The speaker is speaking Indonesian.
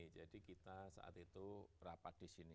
jadi kita saat itu rapat di sini